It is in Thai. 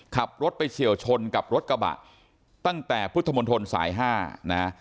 ขับรถไปเฉียวชนกับรถกระบะตั้งแต่พุทธมนตรสาย๕นะ